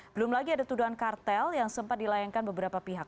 belum lagi ada tuduhan kartel yang sempat dilayangkan beberapa pihak